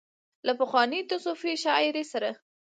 له پخوانۍ تصوفي شاعرۍ سره